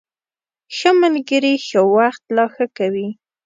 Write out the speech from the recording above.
ښه ملګري ښه وخت لا ښه کوي.